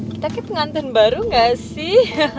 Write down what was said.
kita kayak pengantin baru nggak sih